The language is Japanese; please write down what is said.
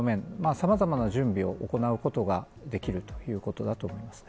様々な準備を行うことができるということだと思います。